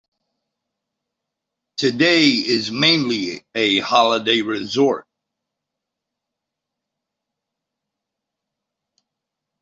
Today it is mainly a holiday resort.